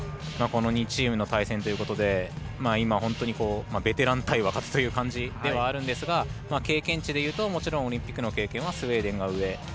この２チームの対戦ということで今、本当にベテラン対若手という感じですが経験値でいうともちろんオリンピックの経験はスウェーデンが上。